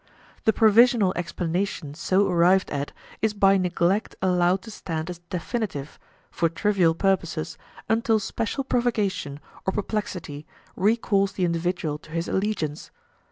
The provisional explanation so arrived at is by neglect allowed to stand as definitive, for trivial purposes, until special provocation or perplexity recalls the individual to his allegiance.